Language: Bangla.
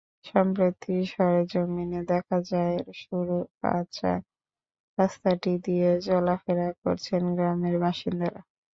সম্প্রতি সরেজমিনে দেখা যায়, সরু কাঁচা রাস্তাটি দিয়ে চলাফেরা করছেন গ্রামের বাসিন্দারা।